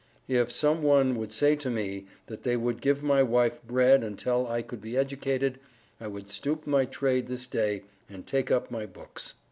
If some one would say to me, that they would give my wife bread untel I could be Educated I would stoop my trade this day and take up my books.